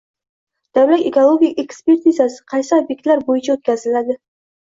Davlat ekologik ekspertizasi qaysi ob’ektlar bo‘yicha o‘tkaziladi?